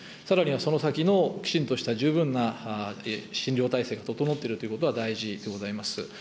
さらにはその先のきちんとした十分な診療体制が整っているということが大事でございます。